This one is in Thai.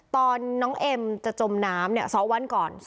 ตอนน้องเอ็มจะจมน้ำ๒วันก่อน